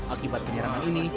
akibat penyerangan ini